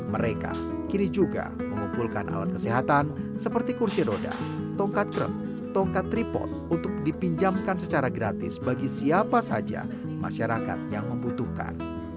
mereka kini juga mengumpulkan alat kesehatan seperti kursi roda tongkat kru tongkat tripot untuk dipinjamkan secara gratis bagi siapa saja masyarakat yang membutuhkan